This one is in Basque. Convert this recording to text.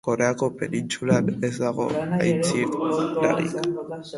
Koreako penintsulan ez dago aintzirarik.